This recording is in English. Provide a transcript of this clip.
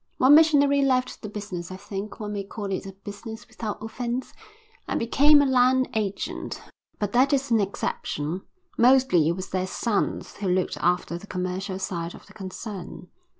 One missionary left the business I think one may call it a business without offence and became a land agent, but that is an exception. Mostly it was their sons who looked after the commercial side of the concern.